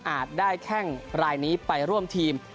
ได้แข้งรายนี้ไปร่วมทีม